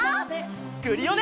クリオネ！